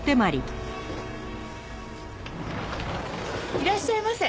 いらっしゃいませ。